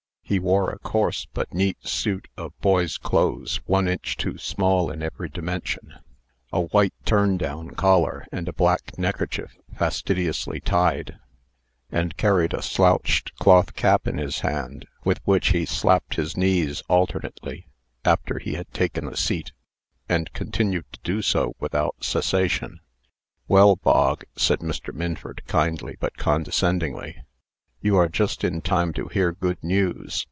He wore a coarse but neat suit of boy's clothes, one inch too small in every dimension, a white turn down collar, and a black neckerchief fastidiously tied; and carried a slouched cloth cap in his hand, with which he slapped his knees alternately, after he had taken a seat, and continued to do so without cessation. "Well, Bog," said Mr. Minford, kindly, but condescendingly, "you are just in time to hear good news.